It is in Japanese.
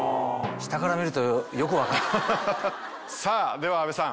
下から見るとよく分かる。